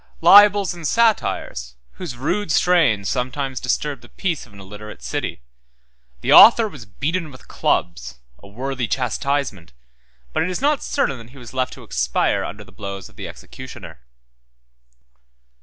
7. Libels and satires, whose rude strains sometimes disturbed the peace of an illiterate city. The author was beaten with clubs, a worthy chastisement, but it is not certain that he was left to expire under the blows of the executioner.